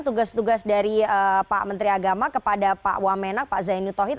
tugas tugas dari pak menteri agama kepada pak wamenak pak zainu tohid